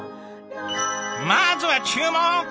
まずは注目！